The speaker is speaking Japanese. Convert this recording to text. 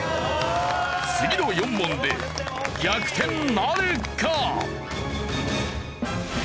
次の４問で逆転なるか？